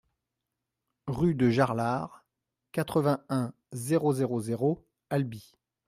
Rue de Jarlard, quatre-vingt-un, zéro zéro zéro Albi